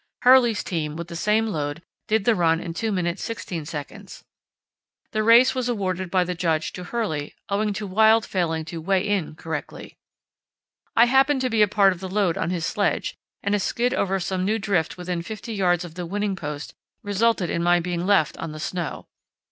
Hurley's team, with the same load, did the run in 2 min. 16 sec. The race was awarded by the judge to Hurley owing to Wild failing to "weigh in" correctly. I happened to be a part of the load on his sledge, and a skid over some new drift within fifty yards of the winning post resulted in my being left on the snow.